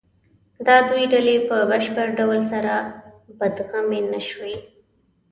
دا دوې ډلې په بشپړ ډول سره مدغمې نهشوې.